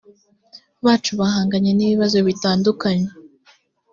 bacu bahanganye n ibibazo bitandukanye